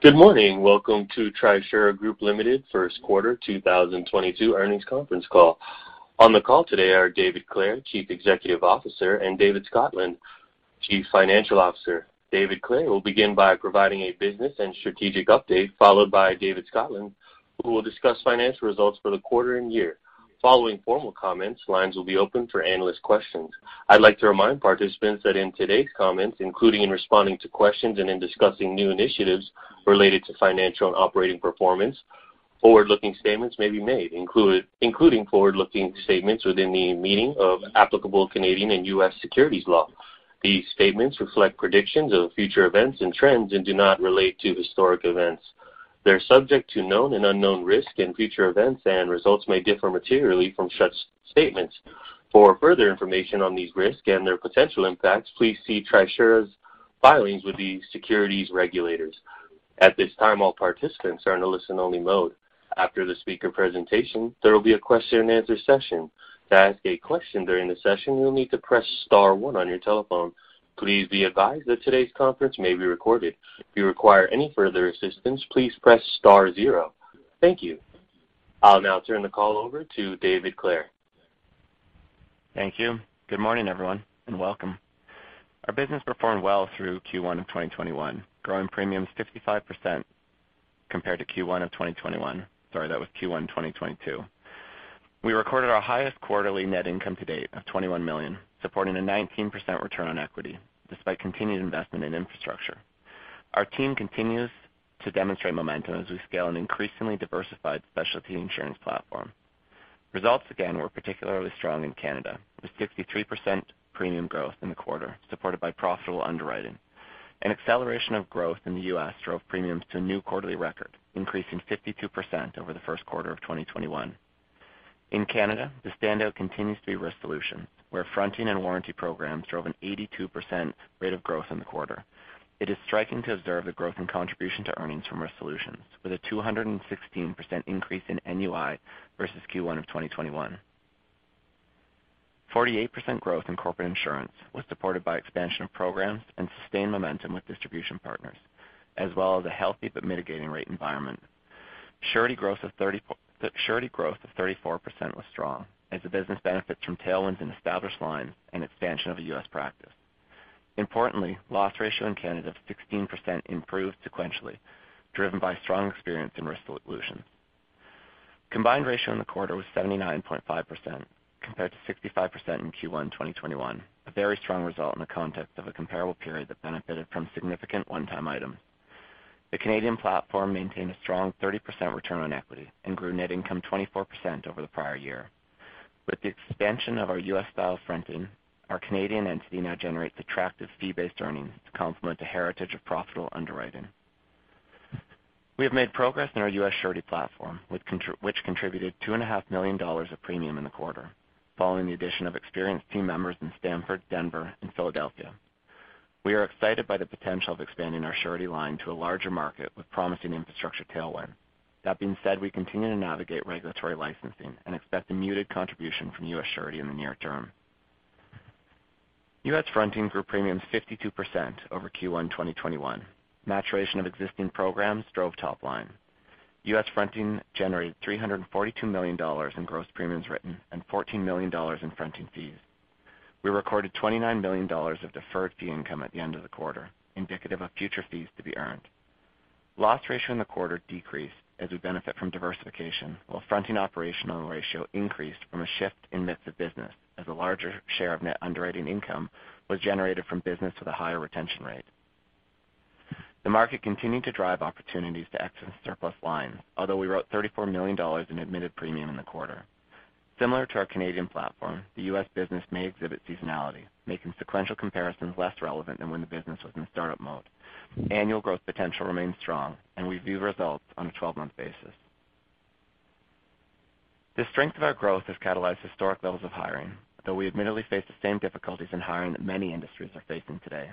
Good morning. Welcome to Trisura Group Ltd. first quarter 2022 earnings conference call. On the call today are David Clare, Chief Executive Officer, and David Scotland, Chief Financial Officer. David Clare will begin by providing a business and strategic update, followed by David Scotland, who will discuss financial results for the quarter and year. Following formal comments, lines will be open for analyst questions. I'd like to remind participants that in today's comments, including in responding to questions and in discussing new initiatives related to financial and operating performance, forward-looking statements may be made, including forward-looking statements within the meaning of applicable Canadian and U.S. securities law. These statements reflect predictions of future events and trends and do not relate to historic events. They're subject to known and unknown risks in future events and results may differ materially from such statements. For further information on these risks and their potential impacts, please see Trisura's filings with the securities regulators. At this time, all participants are in a listen-only mode. After the speaker presentation, there will be a question-and-answer session. To ask a question during the session, you will need to press star one on your telephone. Please be advised that today's conference may be recorded. If you require any further assistance, please press star zero. Thank you. I'll now turn the call over to David Clare. Thank you. Good morning, everyone, and welcome. Our business performed well through Q1 of 2022, growing premiums 55% compared to Q1 of 2021. We recorded our highest quarterly net income to date of 21 million, supporting a 19% return on equity despite continued investment in infrastructure. Our team continues to demonstrate momentum as we scale an increasingly diversified specialty insurance platform. Results again were particularly strong in Canada, with 63% premium growth in the quarter, supported by profitable underwriting. An acceleration of growth in the U.S. drove premiums to a new quarterly record, increasing 52% over the first quarter of 2021. In Canada, the standout continues to be risk solutions, where fronting and warranty programs drove an 82% rate of growth in the quarter. It is striking to observe the growth in contribution to earnings from risk solutions, with a 216% increase in NUI versus Q1 of 2021. 48% growth in corporate insurance was supported by expansion of programs and sustained momentum with distribution partners, as well as a healthy but mitigating rate environment. Surety growth of 34% was strong as the business benefits from tailwinds in established lines and expansion of the U.S. practice. Importantly, loss ratio in Canada of 16% improved sequentially, driven by strong experience in risk solutions. Combined ratio in the quarter was 79.5% compared to 65% in Q1 2021, a very strong result in the context of a comparable period that benefited from significant one-time items. The Canadian platform maintained a strong 30% return on equity and grew net income 24% over the prior year. With the expansion of our US-style fronting, our Canadian entity now generates attractive fee-based earnings to complement the heritage of profitable underwriting. We have made progress in our U.S. surety platform, which contributed $2.5 million of premium in the quarter, following the addition of experienced team members in Stamford, Denver, and Philadelphia. We are excited by the potential of expanding our surety line to a larger market with promising infrastructure tailwind. That being said, we continue to navigate regulatory licensing and expect a muted contribution from U.S. surety in the near term. U.S. fronting grew premiums 52% over Q1 2021. Maturation of existing programs drove top line. U.S. fronting generated $342 million in gross premiums written and $14 million in fronting fees. We recorded $29 million of deferred fee income at the end of the quarter, indicative of future fees to be earned. Loss ratio in the quarter decreased as we benefit from diversification, while fronting operational ratio increased from a shift in mix of business as a larger share of net underwriting income was generated from business with a higher retention rate. The market continued to drive opportunities to excess and surplus lines, although we wrote $34 million in admitted premium in the quarter. Similar to our Canadian platform, the U.S. business may exhibit seasonality, making sequential comparisons less relevant than when the business was in startup mode. Annual growth potential remains strong, and we view results on a 12-month basis. The strength of our growth has catalyzed historic levels of hiring, though we admittedly face the same difficulties in hiring that many industries are facing today.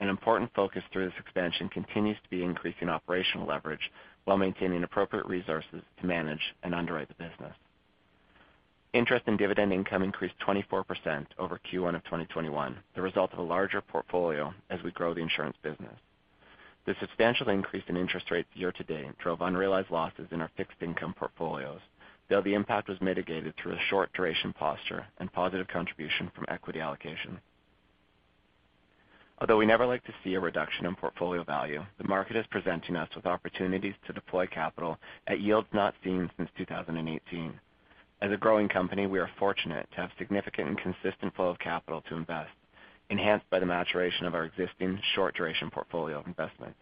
An important focus through this expansion continues to be increasing operational leverage while maintaining appropriate resources to manage and underwrite the business. Interest in dividend income increased 24% over Q1 of 2021, the result of a larger portfolio as we grow the insurance business. The substantial increase in interest rates year-to-date drove unrealized losses in our fixed income portfolios, though the impact was mitigated through a short duration posture and positive contribution from equity allocation. Although we never like to see a reduction in portfolio value, the market is presenting us with opportunities to deploy capital at yields not seen since 2018. As a growing company, we are fortunate to have significant and consistent flow of capital to invest, enhanced by the maturation of our existing short duration portfolio of investments.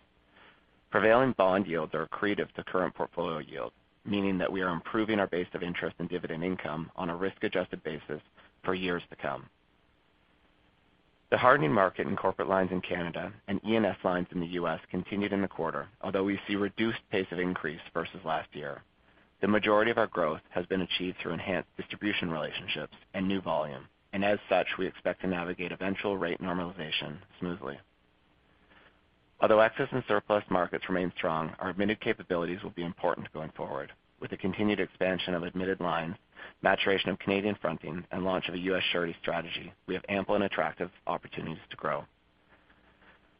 Prevailing bond yields are accretive to current portfolio yield, meaning that we are improving our base of interest in dividend income on a risk-adjusted basis for years to come. The hardening market in corporate lines in Canada and E&S lines in the U.S. continued in the quarter, although we see reduced pace of increase versus last year. The majority of our growth has been achieved through enhanced distribution relationships and new volume. As such, we expect to navigate eventual rate normalization smoothly. Although excess and surplus markets remain strong, our admitted capabilities will be important going forward. With the continued expansion of admitted lines, maturation of Canadian fronting and launch of a U.S. surety strategy, we have ample and attractive opportunities to grow.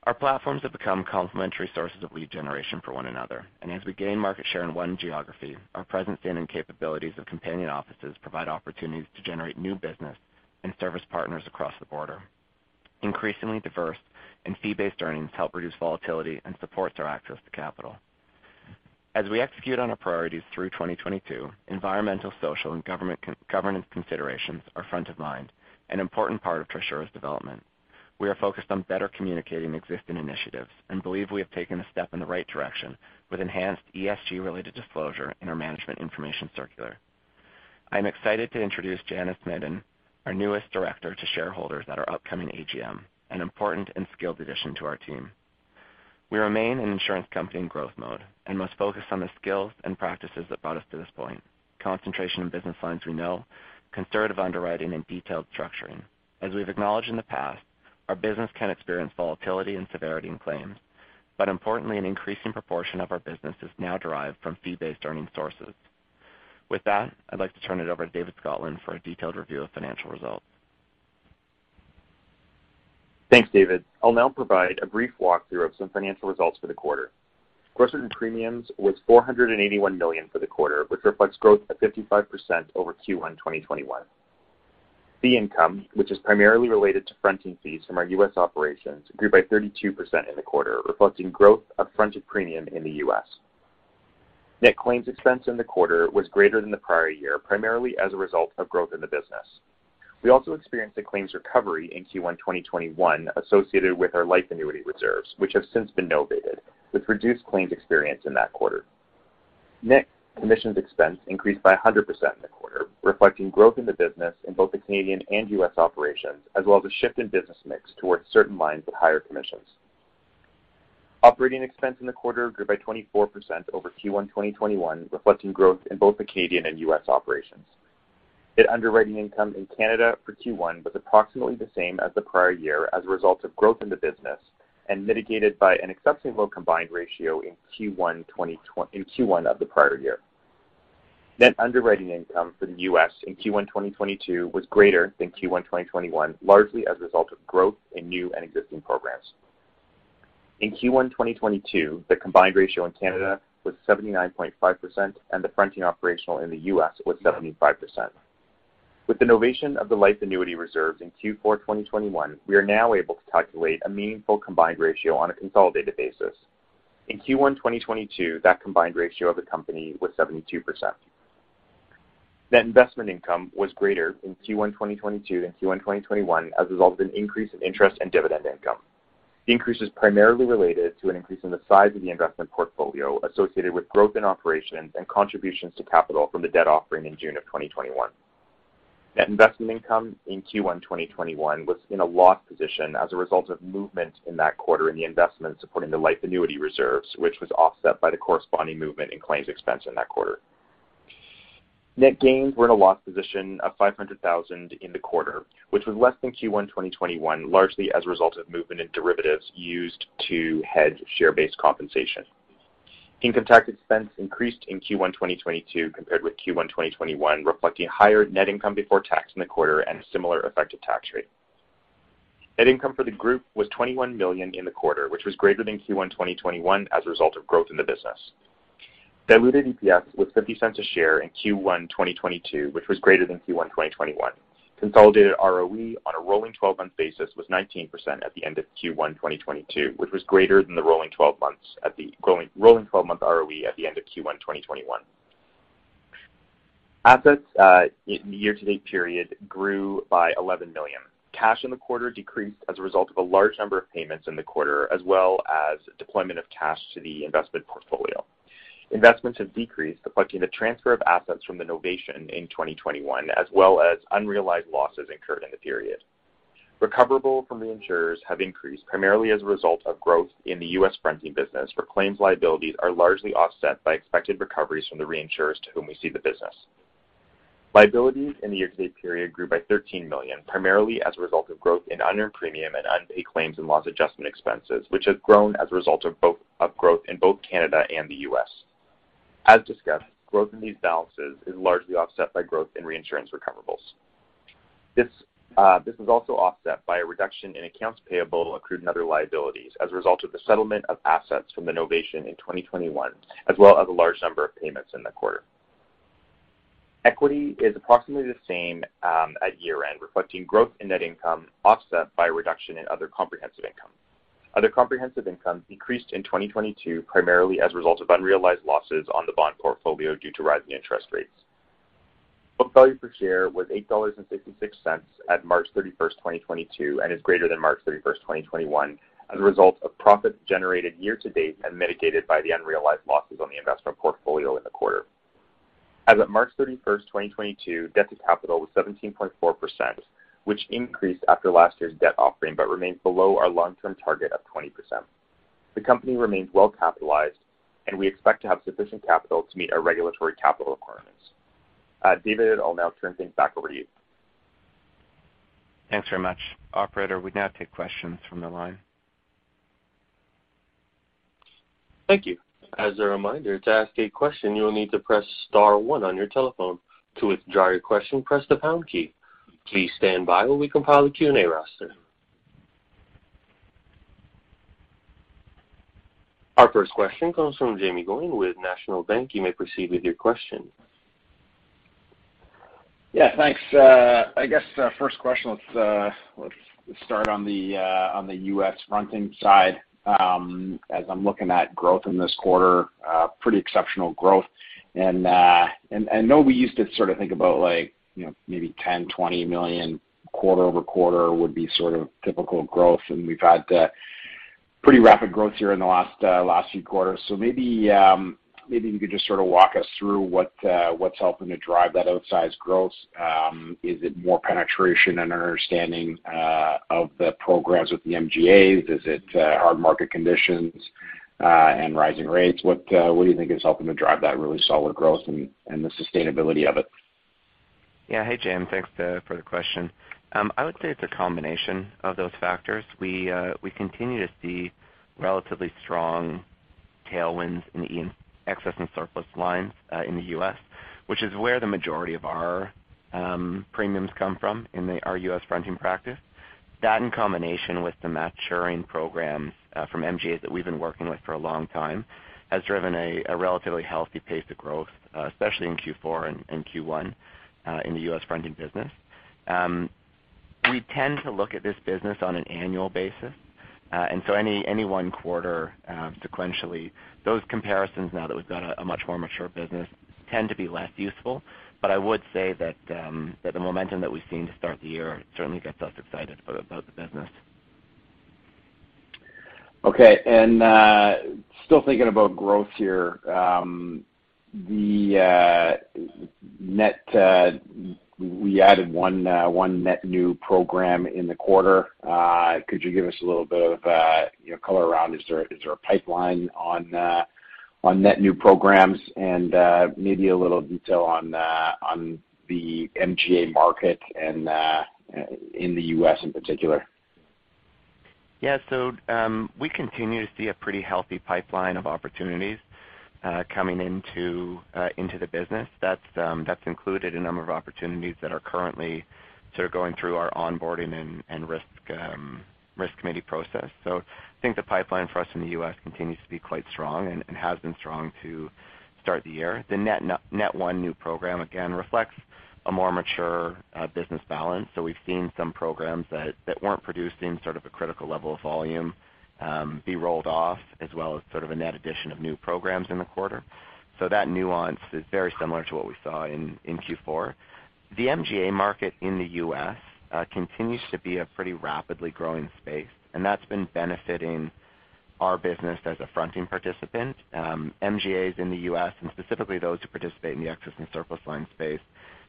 Our platforms have become complementary sources of lead generation for one another. As we gain market share in one geography, our presence and capabilities of companion offices provide opportunities to generate new business and service partners across the border. Increasingly diverse and fee-based earnings help reduce volatility and supports our access to capital. As we execute on our priorities through 2022, environmental, social, and governance considerations are front of mind, an important part of Trisura's development. We are focused on better communicating existing initiatives and believe we have taken a step in the right direction with enhanced ESG-related disclosure in our management information circular. I'm excited to introduce Janice Madon, our newest director, to shareholders at our upcoming AGM, an important and skilled addition to our team. We remain an insurance company in growth mode and must focus on the skills and practices that brought us to this point, concentration in business lines we know, conservative underwriting, and detailed structuring. As we've acknowledged in the past, our business can experience volatility and severity in claims. Importantly, an increasing proportion of our business is now derived from fee-based earning sources. With that, I'd like to turn it over to David Scotland for a detailed review of financial results. Thanks, David. I'll now provide a brief walkthrough of some financial results for the quarter. Gross written premiums was 481 million for the quarter, which reflects growth at 55% over Q1 2021. Fee income, which is primarily related to fronting fees from our U.S. operations, grew by 32% in the quarter, reflecting growth of fronted premium in the U.S. Net claims expense in the quarter was greater than the prior year, primarily as a result of growth in the business. We also experienced a claims recovery in Q1 2021 associated with our life annuity reserves, which have since been novated, with reduced claims experience in that quarter. Net commissions expense increased by 100% in the quarter, reflecting growth in the business in both the Canadian and U.S. operations, as well as a shift in business mix towards certain lines with higher commissions. Operating expense in the quarter grew by 24% over Q1 2021, reflecting growth in both the Canadian and U.S. operations. Net underwriting income in Canada for Q1 was approximately the same as the prior year as a result of growth in the business and mitigated by an exceptionally low combined ratio in Q1 of the prior year. Net underwriting income for the U.S. in Q1 2022 was greater than Q1 2021, largely as a result of growth in new and existing programs. In Q1 2022, the combined ratio in Canada was 79.5%, and the fronting operational ratio in the U.S. was 75%. With the novation of the life annuity reserves in Q4 2021, we are now able to calculate a meaningful combined ratio on a consolidated basis. In Q1 2022, that combined ratio of the company was 72%. Net investment income was greater in Q1 2022 than Q1 2021 as a result of an increase in interest and dividend income. The increase is primarily related to an increase in the size of the investment portfolio associated with growth in operations and contributions to capital from the debt offering in June of 2021. Net investment income in Q1 2021 was in a loss position as a result of movement in that quarter in the investments supporting the life annuity reserves, which was offset by the corresponding movement in claims expense in that quarter. Net gains were in a loss position of 500,000 in the quarter, which was less than Q1 2021, largely as a result of movement in derivatives used to hedge share-based compensation. Income tax expense increased in Q1 2022 compared with Q1 2021, reflecting higher net income before tax in the quarter and a similar effective tax rate. Net income for the group was 21 million in the quarter, which was greater than Q1 2021 as a result of growth in the business. Diluted EPS was 0.50 a share in Q1 2022, which was greater than Q1 2021. Consolidated ROE on a rolling 12-month basis was 19% at the end of Q1 2022, which was greater than the rolling 12-month ROE at the end of Q1 2021. Assets in the year-to-date period grew by 11 million. Cash in the quarter decreased as a result of a large number of payments in the quarter, as well as deployment of cash to the investment portfolio. Investments have decreased, reflecting the transfer of assets from the novation in 2021, as well as unrealized losses incurred in the period. Recoverable from the insurers have increased primarily as a result of growth in the U.S. fronting business, where claims liabilities are largely offset by expected recoveries from the reinsurers to whom we cede the business. Liabilities in the year-to-date period grew by CAD 13 million, primarily as a result of growth in unearned premium and unpaid claims and loss adjustment expenses, which have grown as a result of both of growth in both Canada and the U.S. As discussed, growth in these balances is largely offset by growth in reinsurance recoverables. This is also offset by a reduction in accounts payable and accrued and other liabilities as a result of the settlement of assets from the novation in 2021, as well as a large number of payments in the quarter. Equity is approximately the same at year-end, reflecting growth in net income offset by a reduction in other comprehensive income. Other comprehensive income decreased in 2022, primarily as a result of unrealized losses on the bond portfolio due to rising interest rates. Book value per share was 8.66 dollars at March 31st, 2022, and is greater than March 31st, 2021, as a result of profits generated year to date and mitigated by the unrealized losses on the investment portfolio in the quarter. As of March 31st, 2022, debt to capital was 17.4%, which increased after last year's debt offering but remains below our long-term target of 20%. The company remains well capitalized and we expect to have sufficient capital to meet our regulatory capital requirements. David, I'll now turn things back over to you. Thanks very much. Operator, we now take questions from the line. Thank you. As a reminder, to ask a question, you will need to press star one on your telephone. To withdraw your question, press the pound key. Please stand by while we compile the Q&A roster. Our first question comes from Jaeme Gloyn with National Bank. You may proceed with your question. Yeah, thanks. I guess first question, let's start on the U.S. fronting side. As I'm looking at growth in this quarter, pretty exceptional growth. I know we used to sort of think about like, you know, maybe 10 million, 20 million quarter-over-quarter would be sort of typical growth, and we've had pretty rapid growth here in the last few quarters. Maybe you could just sort of walk us through what's helping to drive that outsized growth. Is it more penetration and understanding of the programs with the MGAs? Is it hard market conditions and rising rates? What do you think is helping to drive that really solid growth and the sustainability of it? Yeah. Hey, Jaeme Gloyn, thanks for the question. I would say it's a combination of those factors. We continue to see relatively strong tailwinds in the excess and surplus lines in the U.S., which is where the majority of our premiums come from in our U.S. fronting practice. That in combination with the maturing programs from MGAs that we've been working with for a long time has driven a relatively healthy pace of growth, especially in Q4 and Q1 in the US fronting business. We tend to look at this business on an annual basis. Any one quarter sequentially, those comparisons now that we've got a much more mature business tend to be less useful. I would say that the momentum that we've seen to start the year certainly gets us excited about the business. Okay. Still thinking about growth here, we added one net new program in the quarter. Could you give us a little bit of, you know, color around, is there a pipeline on net new programs and maybe a little detail on the MGA market and in the U.S. in particular? Yeah. We continue to see a pretty healthy pipeline of opportunities coming into the business. That's included a number of opportunities that are currently sort of going through our onboarding and risk committee process. I think the pipeline for us in the U.S. continues to be quite strong and has been strong to start the year. The net one new program again reflects a more mature business balance. We've seen some programs that weren't producing sort of a critical level of volume be rolled off, as well as sort of a net addition of new programs in the quarter. That nuance is very similar to what we saw in Q4. The MGA market in the U.S. continues to be a pretty rapidly growing space, and that's been benefiting our business as a fronting participant. MGAs in the U.S., and specifically those who participate in the excess and surplus lines space,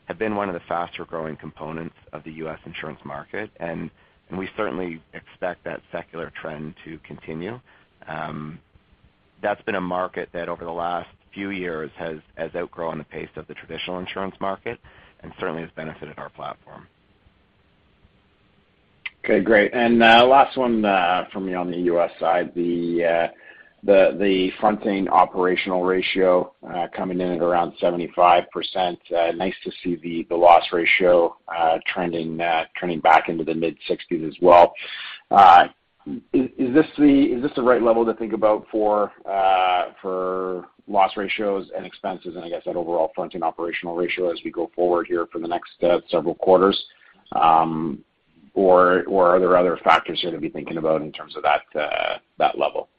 have been one of the faster growing components of the U.S. insurance market, and we certainly expect that secular trend to continue. That's been a market that over the last few years has outgrown the pace of the traditional insurance market and certainly has benefited our platform. Okay, great. Last one from me on the U.S. side. The fronting operational ratio coming in at around 75%. Nice to see the loss ratio turning back into the mid-sixties as well. Is this the right level to think about for loss ratios and expenses and I guess that overall fronting operational ratio as we go forward here for the next several quarters? Are there other factors here to be thinking about in terms of that level?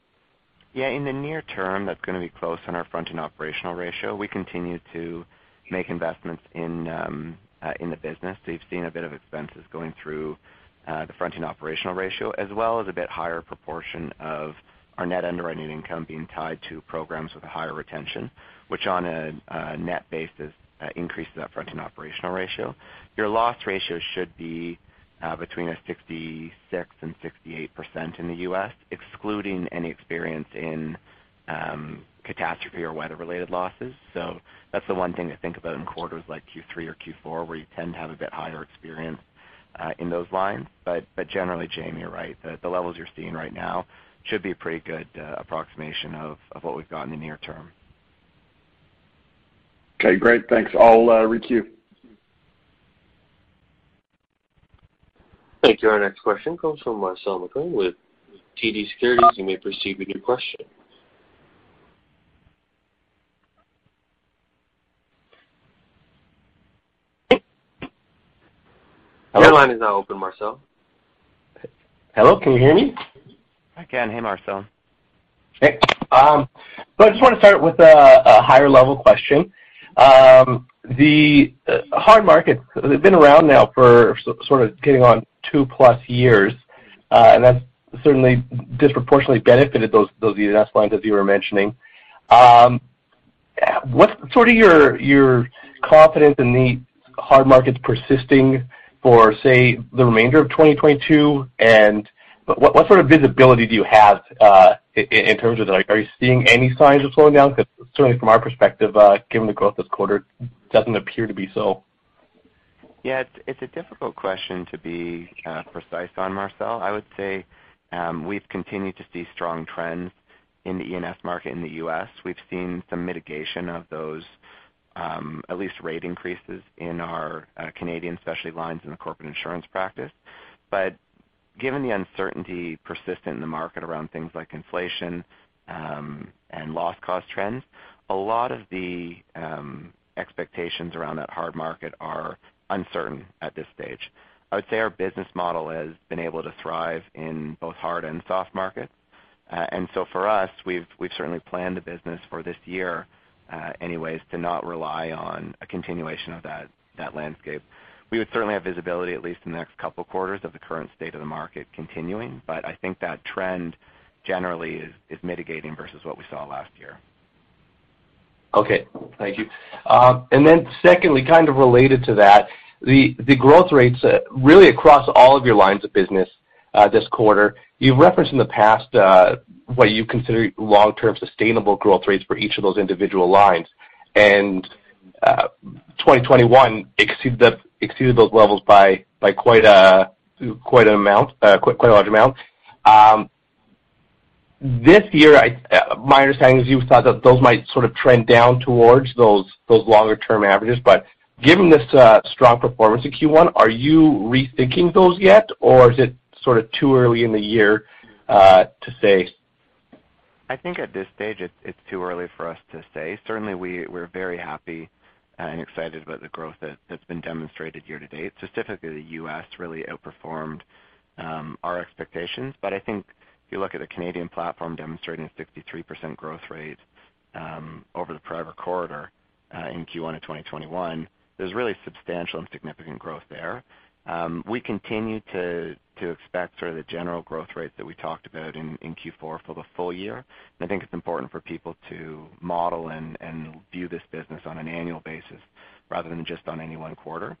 Yeah. In the near term, that's gonna be close on our fronting operational ratio. We continue to make investments in the business. You've seen a bit of expenses going through the fronting operational ratio, as well as a bit higher proportion of our net underwriting income being tied to programs with a higher retention, which on a net basis increases that fronting operational ratio. Your loss ratio should be between a 66%-68% in the U.S., excluding any experience in catastrophe or weather-related losses. That's the one thing to think about in quarters like Q3 or Q4, where you tend to have a bit higher experience in those lines. Generally, Jaeme, you're right. The levels you're seeing right now should be a pretty good approximation of what we've got in the near term. Okay, great. Thanks. I'll requeue. Thank you. Our next question comes from Mario Mendonca with TD Securities. You may proceed with your question. Your line is now open, Mario. Hello, can you hear me? I can. Hey, Mario Mendonca. Hey. I just want to start with a higher level question. The hard market has been around now for sort of getting on 2+ years, and that's certainly disproportionately benefited those U.S. lines as you were mentioning. What's sort of your confidence in the hard markets persisting for, say, the remainder of 2022? What sort of visibility do you have in terms of like, are you seeing any signs of slowing down? Because certainly from our perspective, given the growth this quarter, doesn't appear to be so. Yeah, it's a difficult question to be precise on, Mario Mendonca. I would say we've continued to see strong trends in the E&S market in the U.S. We've seen some mitigation of those at least rate increases in our Canadian specialty lines in the corporate insurance practice. Given the uncertainty persistent in the market around things like inflation and loss cost trends, a lot of the expectations around that hard market are uncertain at this stage. I would say our business model has been able to thrive in both hard and soft markets. For us, we've certainly planned the business for this year anyways to not rely on a continuation of that landscape. We would certainly have visibility at least in the next couple quarters of the current state of the market continuing, but I think that trend generally is mitigating versus what we saw last year. Okay. Thank you. Secondly, kind of related to that, the growth rates really across all of your lines of business this quarter, you've referenced in the past what you consider long-term sustainable growth rates for each of those individual lines. 2021 exceeded those levels by quite a large amount. This year, my understanding is you thought that those might sort of trend down towards those longer term averages. Given this strong performance in Q1, are you rethinking those yet, or is it sort of too early in the year to say? I think at this stage it's too early for us to say. Certainly we're very happy and excited about the growth that's been demonstrated year to date. Specifically, the U.S. really outperformed our expectations. I think if you look at the Canadian platform demonstrating a 63% growth rate over the prior quarter in Q1 of 2021, there's really substantial and significant growth there. We continue to expect sort of the general growth rates that we talked about in Q4 for the full year. I think it's important for people to model and view this business on an annual basis rather than just on any one quarter.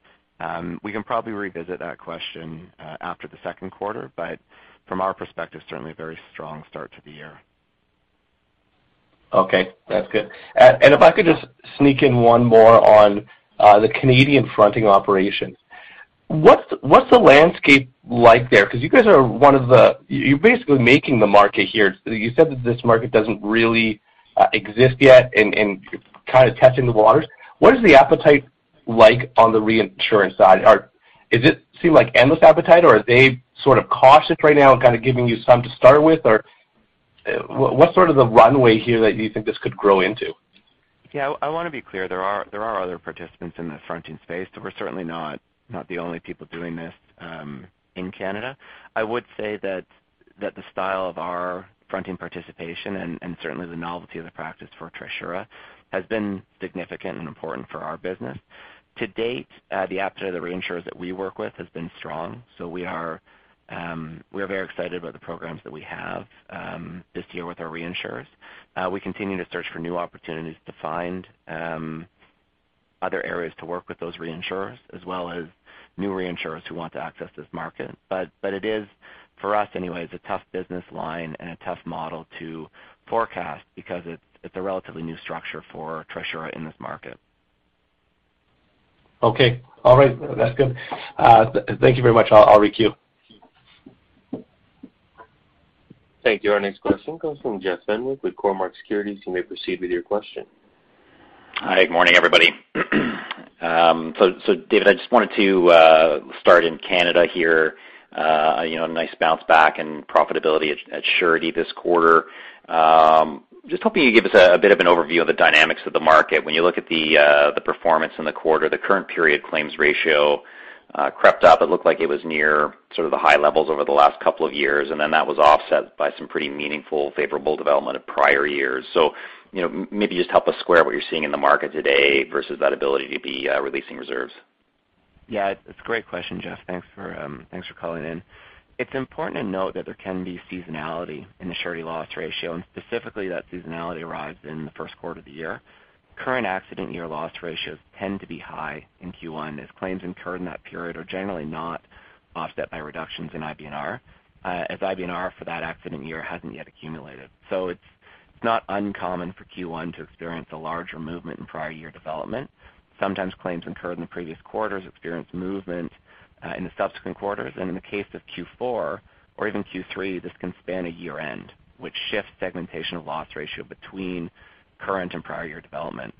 We can probably revisit that question after the second quarter. From our perspective, certainly a very strong start to the year. Okay, that's good. If I could just sneak in one more on the Canadian fronting operations. What's the landscape like there? Because you guys are one of the. You're basically making the market here. You said that this market doesn't really exist yet and kind of testing the waters. What is the appetite like on the reinsurance side? Does it seem like endless appetite, or are they sort of cautious right now and kind of giving you some to start with? Or what's sort of the runway here that you think this could grow into? Yeah. I wanna be clear, there are other participants in the fronting space, so we're certainly not the only people doing this, in Canada. I would say that the style of our fronting participation, and certainly the novelty of the practice for Trisura, has been significant and important for our business. To date, the appetite of the reinsurers that we work with has been strong, so we are very excited about the programs that we have, this year with our reinsurers. We continue to search for new opportunities to find other areas to work with those reinsurers as well as new reinsurers who want to access this market. It is, for us anyway, it's a tough business line and a tough model to forecast because it's a relatively new structure for Trisura in this market. Okay. All right. That's good. Thank you very much. I'll requeue. Thank you. Our next question comes from Jeff Fenwick with Cormark Securities. You may proceed with your question. Hi, good morning, everybody. David, I just wanted to start in Canada here. You know, a nice bounce back in profitability at Surety this quarter. Just hoping you give us a bit of an overview of the dynamics of the market. When you look at the performance in the quarter, the current period claims ratio crept up. It looked like it was near sort of the high levels over the last couple of years, and then that was offset by some pretty meaningful favorable development of prior years. You know, maybe just help us square what you're seeing in the market today versus that ability to be releasing reserves. Yeah, it's a great question, Jeff. Thanks for calling in. It's important to note that there can be seasonality in the Surety loss ratio, and specifically that seasonality arrives in the first quarter of the year. Current accident year loss ratios tend to be high in Q1, as claims incurred in that period are generally not offset by reductions in IBNR, as IBNR for that accident year hasn't yet accumulated. So it's not uncommon for Q1 to experience a larger movement in prior year development. Sometimes claims incurred in the previous quarters experience movement in the subsequent quarters. In the case of Q4 or even Q3, this can span a year-end, which shifts segmentation of loss ratio between current and prior year development.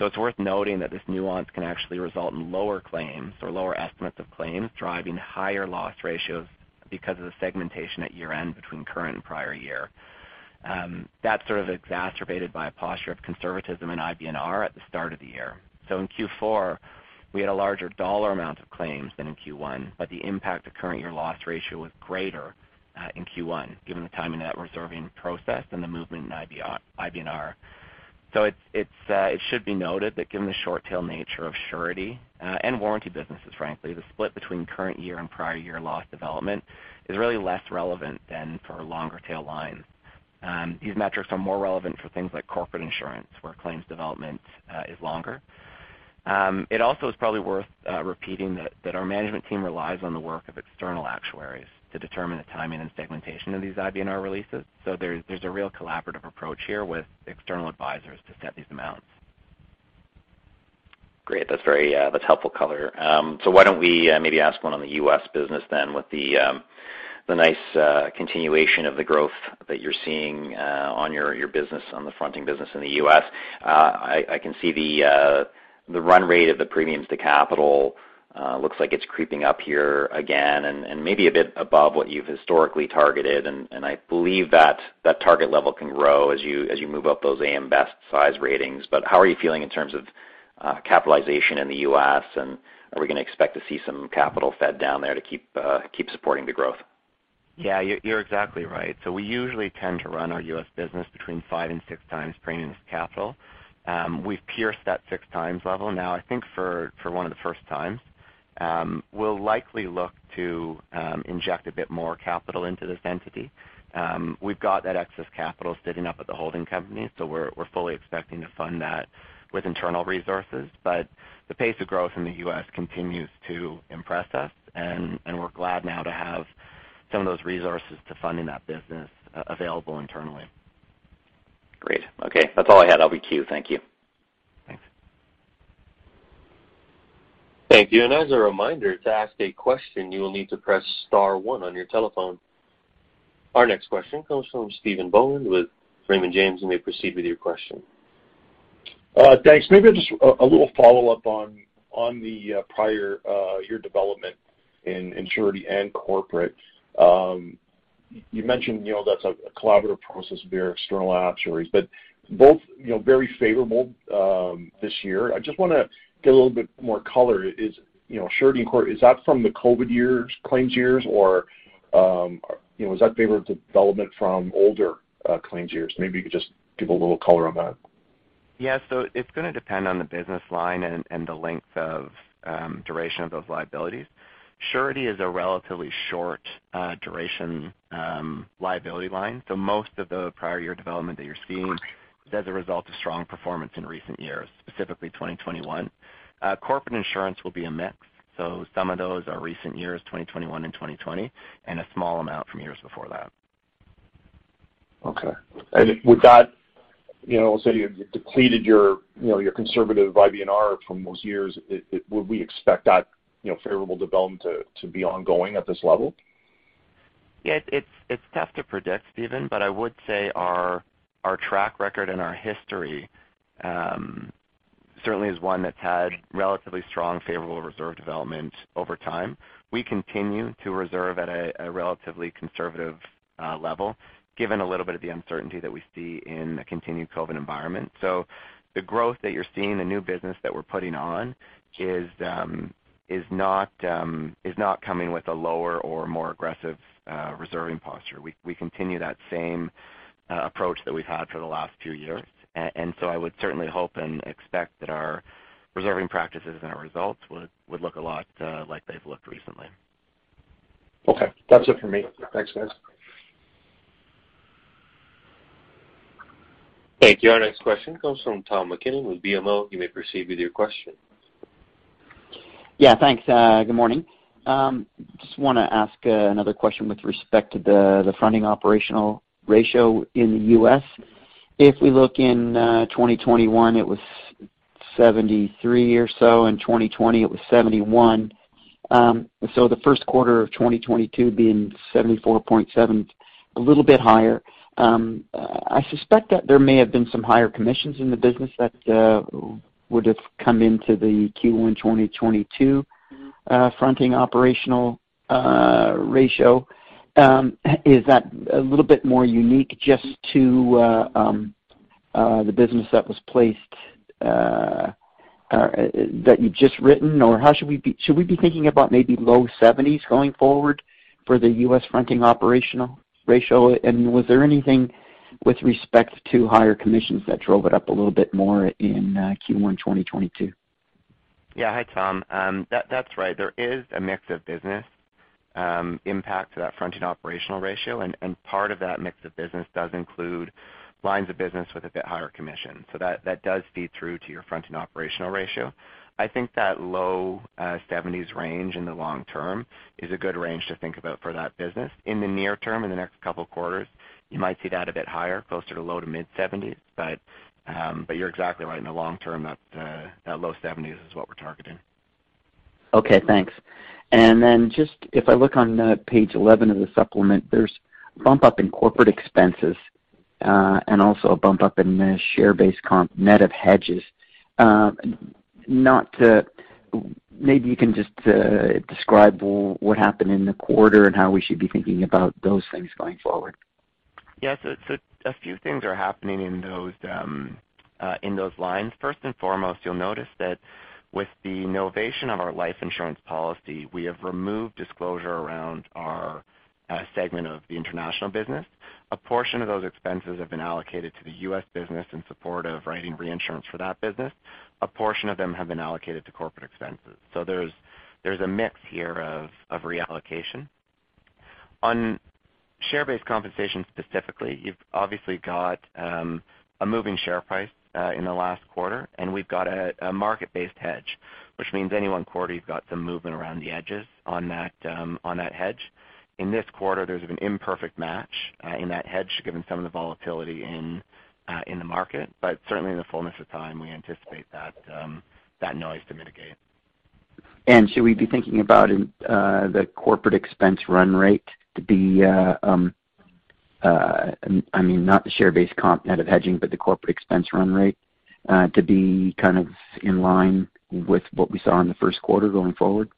It's worth noting that this nuance can actually result in lower claims or lower estimates of claims driving higher loss ratios because of the segmentation at year-end between current and prior year. That's sort of exacerbated by a posture of conservatism in IBNR at the start of the year. In Q4, we had a larger dollar amount of claims than in Q1, but the impact of current year loss ratio was greater in Q1, given the timing of that reserving process and the movement in IBNR. It should be noted that given the short tail nature of Surety and Warranty businesses, frankly, the split between current year and prior year loss development is really less relevant than for longer tail lines. These metrics are more relevant for things like corporate insurance, where claims development is longer. It also is probably worth repeating that our management team relies on the work of external actuaries to determine the timing and segmentation of these IBNR releases. There's a real collaborative approach here with external advisors to set these amounts. Great. That's very helpful color. So why don't we maybe ask one on the U.S. business then with the nice continuation of the growth that you're seeing on your business on the fronting business in the U.S. I can see the run rate of the premiums to capital looks like it's creeping up here again and maybe a bit above what you've historically targeted, and I believe that target level can grow as you move up those AM Best size ratings. But how are you feeling in terms of capitalization in the U.S., and are we gonna expect to see some capital fed down there to keep supporting the growth? Yeah, you're exactly right. We usually tend to run our U.S. business between five and six times premiums capital. We've pierced that six times level now, I think, for one of the first times. We'll likely look to inject a bit more capital into this entity. We've got that excess capital sitting up at the holding company, so we're fully expecting to fund that with internal resources. The pace of growth in the U.S. continues to impress us, and we're glad now to have some of those resources to fund that business available internally. Great. Okay. That's all I had. I'll be quiet. Thank you. Thanks. Thank you. As a reminder, to ask a question, you will need to press star one on your telephone. Our next question comes from Stephen Boland with Raymond James, and may proceed with your question. Thanks. Maybe just a little follow-up on the prior year development in surety and corporate. You mentioned, you know, that's a collaborative process with your external actuaries, but both, you know, very favorable this year. I just wanna get a little bit more color. You know, is surety and corporate from the COVID years, claims years or, you know, is that favorable development from older claims years? Maybe you could just give a little color on that. Yeah. It's gonna depend on the business line and the length of duration of those liabilities. Surety is a relatively short duration liability line, so most of the prior year development that you're seeing is as a result of strong performance in recent years, specifically 2021. Corporate insurance will be a mix. Some of those are recent years, 2021 and 2020, and a small amount from years before that. Okay. With that, you know, say you depleted your, you know, your conservative IBNR from those years. Would we expect that, you know, favorable development to be ongoing at this level? Yeah. It's tough to predict, Stephen, but I would say our track record and our history certainly is one that's had relatively strong favorable reserve development over time. We continue to reserve at a relatively conservative level given a little bit of the uncertainty that we see in a continued COVID environment. The growth that you're seeing, the new business that we're putting on is not coming with a lower or more aggressive reserving posture. We continue that same approach that we've had for the last few years. I would certainly hope and expect that our reserving practices and our results would look a lot like they've looked recently. Okay. That's it for me. Thanks, guys. Thank you. Our next question comes from Tom MacKinnon with BMO. You may proceed with your question. Yeah. Thanks. Good morning. Just wanna ask another question with respect to the fronting operational ratio in the U.S. If we look in 2021, it was 73% or so. In 2020, it was 71%. The first quarter of 2022 being 74.7%, a little bit higher. I suspect that there may have been some higher commissions in the business that would have come into the Q1 2022 fronting operational ratio. Is that a little bit more unique just to the business that was placed that you've just written? Or how should we be thinking about maybe low 70s% going forward for the U.S. fronting operational ratio? Was there anything with respect to higher commissions that drove it up a little bit more in Q1 2022? Yeah. Hi, Tom. That's right. There is a mix of business impact to that fronting operational ratio, and part of that mix of business does include lines of business with a bit higher commission. That does feed through to your fronting operational ratio. I think that low 70s% range in the long term is a good range to think about for that business. In the near term, in the next couple quarters, you might see that a bit higher, closer to low- to mid-70s%. You're exactly right. In the long term, that low 70s% is what we're targeting. Okay, thanks. Just if I look on page 11 of the supplement, there's a bump up in corporate expenses, and also a bump up in the share-based comp net of hedges. Maybe you can just describe what happened in the quarter and how we should be thinking about those things going forward. Yes. A few things are happening in those lines. First and foremost, you'll notice that with the novation of our life insurance policy, we have removed disclosure around our segment of the international business. A portion of those expenses have been allocated to the U.S. business in support of writing reinsurance for that business. A portion of them have been allocated to corporate expenses. There's a mix here of reallocation. On share-based compensation specifically, you've obviously got a moving share price in the last quarter, and we've got a market-based hedge. Which means any one quarter you've got some movement around the edges on that hedge. In this quarter, there's an imperfect match in that hedge given some of the volatility in the market. Certainly in the fullness of time, we anticipate that noise to mitigate. Should we be thinking about the corporate expense run rate to be, I mean, not the share-based comp net of hedging, but the corporate expense run rate, to be kind of in line with what we saw in the first quarter going forward?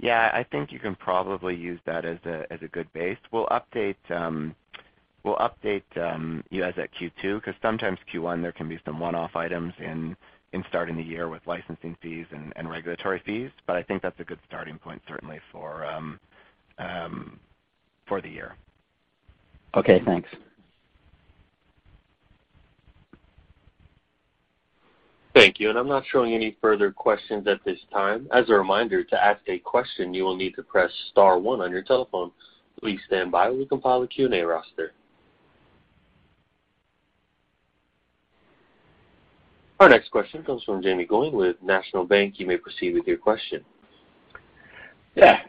Yeah. I think you can probably use that as a good base. We'll update you guys at Q2 because sometimes Q1 there can be some one-off items in starting the year with licensing fees and regulatory fees. But I think that's a good starting point certainly for the year. Okay. Thanks. Thank you. I'm not showing any further questions at this time. As a reminder, to ask a question, you will need to press star one on your telephone. Please stand by while we compile a Q&A roster. Our next question comes from Jaeme Gloyn with National Bank. You may proceed with your question. Yeah.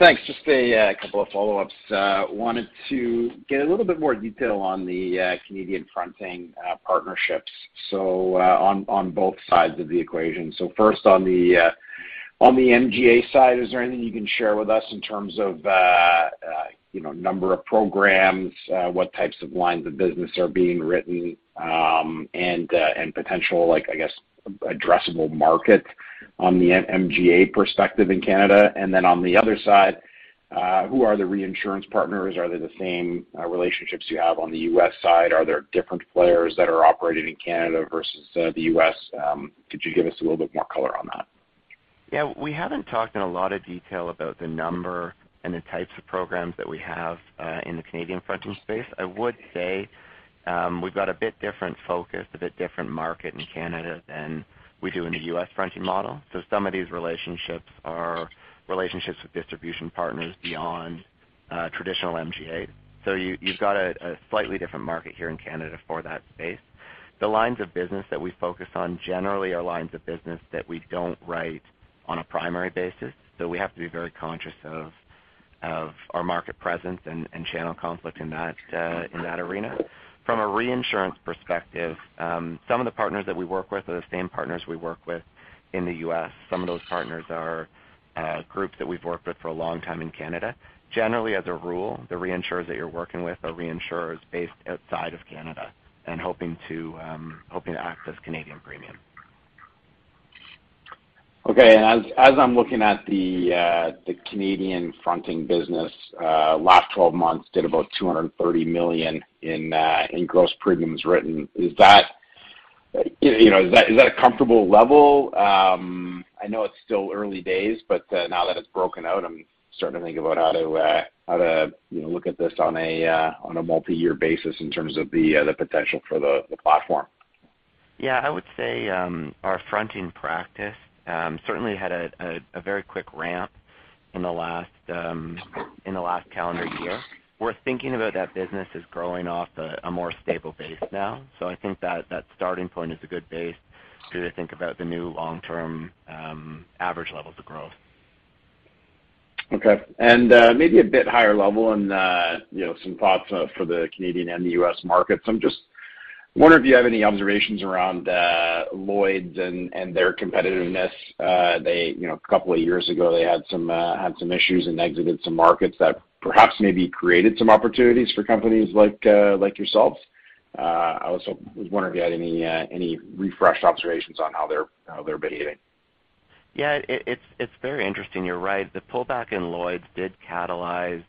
Thanks. Just a couple of follow-ups. Wanted to get a little bit more detail on the Canadian fronting partnerships, so on both sides of the equation. First on the MGA side, is there anything you can share with us in terms of, you know, number of programs, what types of lines of business are being written, and potential like, I guess, addressable market on the MGA perspective in Canada? Then on the other side, who are the reinsurance partners? Are they the same relationships you have on the U.S. side? Are there different players that are operating in Canada versus the U.S.? Could you give us a little bit more color on that? Yeah. We haven't talked in a lot of detail about the number and the types of programs that we have in the Canadian fronting space. I would say, we've got a bit different focus, a bit different market in Canada than we do in the U.S. fronting model. Some of these relationships are with distribution partners beyond traditional MGA. You've got a slightly different market here in Canada for that space. The lines of business that we focus on generally are lines of business that we don't write on a primary basis. We have to be very conscious of our market presence and channel conflict in that arena. From a reinsurance perspective, some of the partners that we work with are the same partners we work with in the U.S. Some of those partners are a group that we've worked with for a long time in Canada. Generally, as a rule, the reinsurers that you're working with are reinsurers based outside of Canada and hoping to access Canadian premium. Okay. As I'm looking at the Canadian fronting business, last 12 months did about 230 million in gross premiums written. Is that, you know, a comfortable level? I know it's still early days, but now that it's broken out, I'm starting to think about how to look at this on a multi-year basis in terms of the potential for the platform. Yeah. I would say, our fronting practice certainly had a very quick ramp in the last calendar year. We're thinking about that business as growing off a more stable base now. I think that starting point is a good base to think about the new long-term average levels of growth. Okay. Maybe a bit higher level, you know, some thoughts for the Canadian and the U.S. markets. I'm just wondering if you have any observations around Lloyd's and their competitiveness. They, you know, a couple of years ago, had some issues and exited some markets that perhaps maybe created some opportunities for companies like yourselves. I also was wondering if you had any refreshed observations on how they're behaving. Yeah. It's very interesting. You're right. The pullback in Lloyd's did catalyze,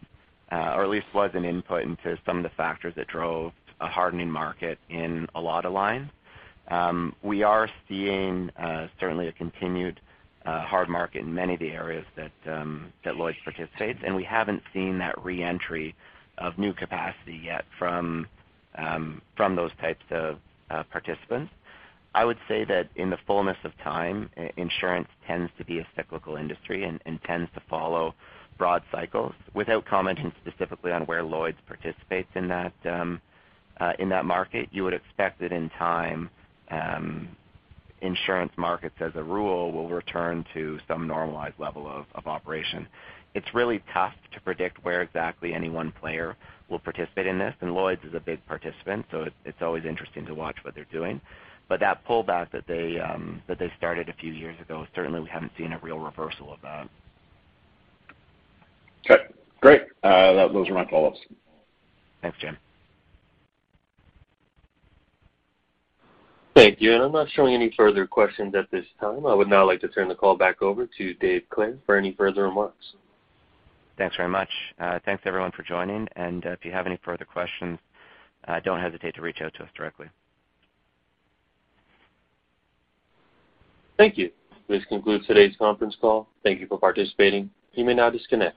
or at least was an input into some of the factors that drove a hardening market in a lot of lines. We are seeing certainly a continued hard market in many of the areas that Lloyd's participates, and we haven't seen that re-entry of new capacity yet from those types of participants. I would say that in the fullness of time, insurance tends to be a cyclical industry and tends to follow broad cycles. Without commenting specifically on where Lloyd's participates in that in that market, you would expect that in time, insurance markets as a rule will return to some normalized level of operation. It's really tough to predict where exactly any one player will participate in this. Lloyd's is a big participant, so it's always interesting to watch what they're doing. That pullback that they started a few years ago, certainly we haven't seen a real reversal of that. Okay. Great. Those are my follow-ups. Thanks, Jaeme. Thank you. I'm not showing any further questions at this time. I would now like to turn the call back over to David Clare for any further remarks. Thanks very much. Thanks everyone for joining. If you have any further questions, don't hesitate to reach out to us directly. Thank you. This concludes today's conference call. Thank you for participating. You may now disconnect.